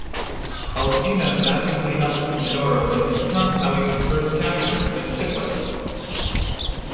Alcina magically helps Medoro and he recounts how he was first captured, then shipwrecked.